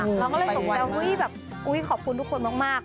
เราก็เลยตกใจแบบอุ๊ยขอบคุณทุกคนมาก